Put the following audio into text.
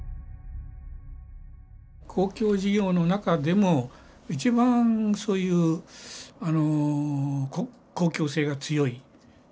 公共事業の中でも一番そういうあの公共性が強い。